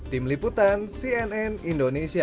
tim liputan cnn indonesia